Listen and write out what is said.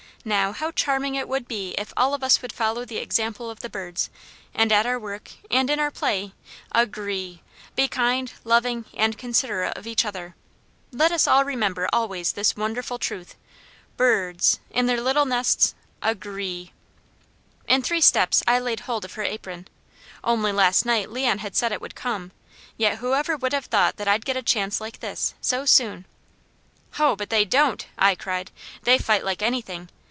Now how charming it would be if all of us would follow the example of the birds, and at our work, and in our play, agreeee be kind, loving, and considerate of each other. Let us all remember always this wonderful truth: 'Birrrrds in their little nests agreeeee!'" In three steps I laid hold of her apron. Only last night Leon had said it would come, yet whoever would have thought that I'd get a chance like this, so soon. "Ho but they don't!" I cried. "They fight like anything!